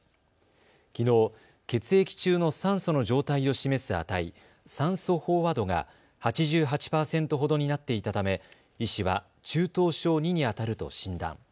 きのう血液中の酸素の状態を示す値、酸素飽和度が８８％ほどになっていたため医師は中等症２にあたると診断。